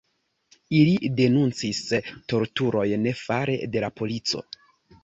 Ili denuncis torturojn fare de la polico.